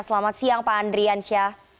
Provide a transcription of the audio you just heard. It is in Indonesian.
selamat siang pak andrian syah